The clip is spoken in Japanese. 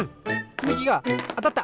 つみきがあたった！